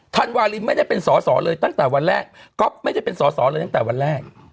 ธันวาลินไม่ได้เป็นสอสอเลยตั้งแต่วันแรกก๊อฟไม่ได้เป็นสอสอเลยตั้งแต่วันแรก